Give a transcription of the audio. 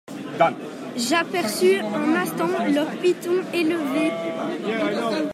J'aperçus un instant leurs pitons élevés.